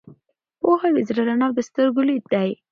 پوهه د زړه رڼا او د سترګو لید دی.